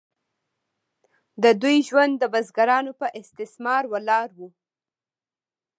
د دوی ژوند د بزګرانو په استثمار ولاړ و.